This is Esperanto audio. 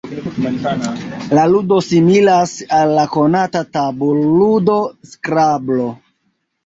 La ludo similas al la konata tabul-ludo skrablo.